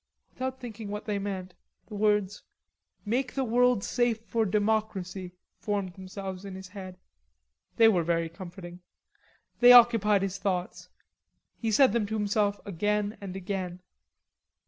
Without thinking what they meant, the words Make the world safe for Democracy formed themselves in his head. They were very comforting. They occupied his thoughts. He said them to himself again and again.